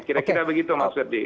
kira kira begitu mas ferdi